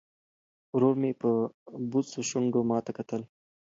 ورور مې په بوڅو شونډو ماته کتل.